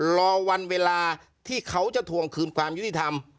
รอวันเวลาที่เขาจะทวงคืนความยุติธรรม